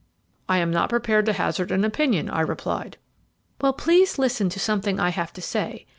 "'I am not prepared to hazard an opinion,' I replied. "'Well, please listen to something I have got to say.